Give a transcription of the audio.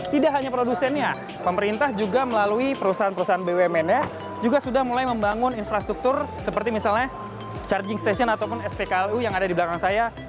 tidak hanya produsennya pemerintah juga melalui perusahaan perusahaan bumn nya juga sudah mulai membangun infrastruktur seperti misalnya charging station ataupun spklu yang ada di belakang saya